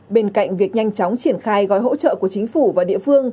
bên cạnh việc nhanh chóng triển khai gói hỗ trợ của chính phủ